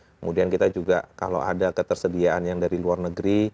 kemudian kita juga kalau ada ketersediaan yang dari luar negeri